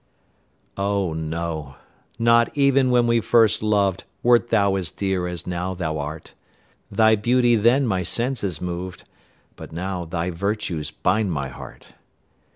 Oh, no not even when first we loved, Wert thou as dear as now thou art; Thy beauty then my senses moved, But now thy virtues bind my heart.